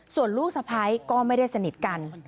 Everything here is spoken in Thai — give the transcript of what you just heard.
ส่วนลูกสะพ้ายก็ไม่ได้สนิทกัน